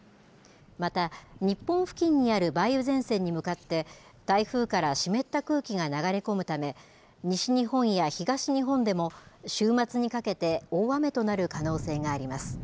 また、日本付近にある梅雨前線に向かって、台風から湿った空気が流れ込むため、西日本や東日本でも週末にかけて大雨となる可能性があります。